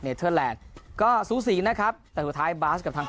เทอร์แลนด์ก็สูสีนะครับแต่สุดท้ายบาสกับทาง